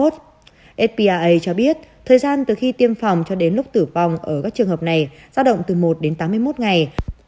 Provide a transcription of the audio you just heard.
fpaa cho biết thời gian từ khi tiêm phòng cho đến lúc tử vong ở các trường hợp này giao động từ một đến tám mươi một ngày